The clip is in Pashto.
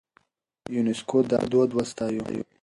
يونيسکو دا دود وستايه.